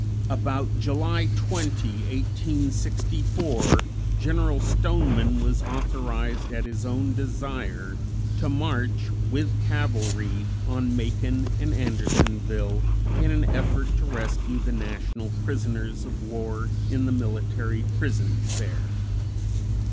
"About July 20, 1864, General Stoneman was authorized at his own desire to march (with cavalry) on Macon and Andersonville in an effort to rescue the National prisoners of war in the military prisons there."